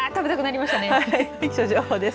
気象情報です。